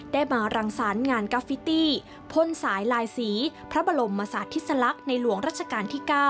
ได้มารังสรรค์งานกราฟิตี้พ่นสายลายสีพระบรมศาสติสลักษณ์ในหลวงรัชกาลที่๙